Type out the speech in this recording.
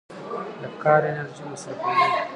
د کار انرژي مصرفوي.